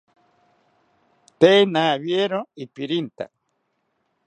Tee rawiero ipirintha